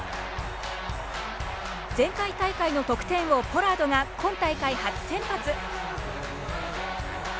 前回大会の得点王ポラードが今大会、初先発。